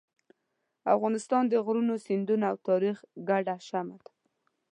افغانستان د غرونو، سیندونو او تاریخ ګډه شمع ده.